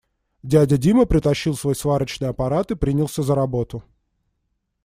Дядя Дима притащил свой сварочный аппарат и принялся за работу.